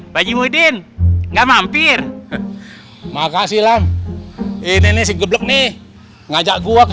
pak jimudin nggak mampir makasih lam ini si geblek nih ngajak gua ke